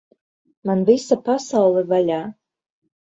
Man visa pasaule vaļā!